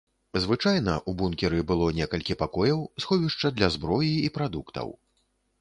Звычайна, у бункеры было некалькі пакояў, сховішча для зброі і прадуктаў.